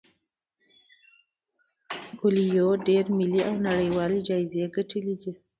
کویلیو ډیر ملي او نړیوال جایزې ګټلي دي.